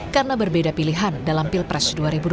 karena berbeda pilihan dalam pilpres dua ribu dua puluh empat